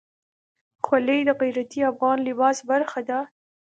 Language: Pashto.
خولۍ د غیرتي افغان لباس برخه ده.